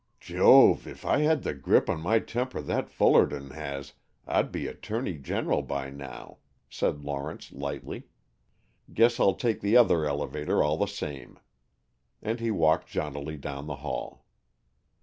"Jove, if I had the grip on my temper that Fullerton has, I'd be Attorney General by now," said Lawrence lightly. "Guess I'll take the other elevator, all the same." And he walked jauntily down the hall.